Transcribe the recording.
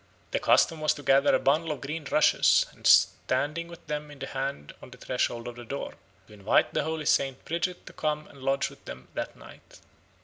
The custom was to gather a bundle of green rushes, and standing with them in the hand on the threshold of the door, to invite the holy Saint Bridget to come and lodge with them that night.